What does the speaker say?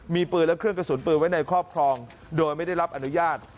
มีปืนและเครื่องกระสุนปืนไว้ในครอบครองโดยไม่ได้รับอนุญาต